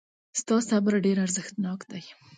ستا صبر ډېر ارزښتناک دی.